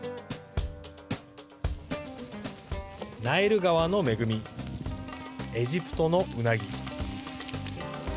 ナイル川の恵みエジプトのうなぎ。